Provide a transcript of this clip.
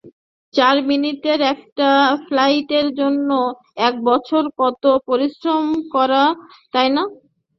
চার মিনিটের একটা ফ্লাইটের জন্য এক বছর কত পরিশ্রম করা, তাই না?